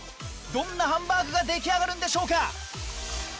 どんなハンバーグが出来上がるんでしょうか？